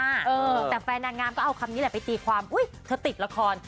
เออแต่แฟนนางงามก็เอาคำนี้แหละไปตีความอุ๊ยเธอติดละคร